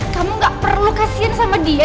kamu gak perlu kasihan sama dia